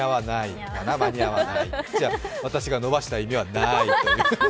私が延ばした意味はないと。